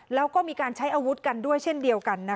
แล้วก็มีการใช้อาวุธกันด้วยเช่นเดียวกัน